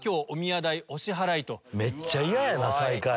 めっちゃ嫌やな最下位。